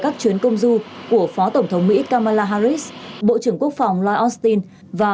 các chuyến công du của phó tổng thống mỹ kamala harris bộ trưởng quốc phòng lloyd austin và